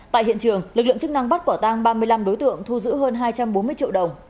tại hiện trường lực lượng chức năng bắt quả tang ba mươi năm đối tượng thu giữ hơn hai trăm bốn mươi triệu đồng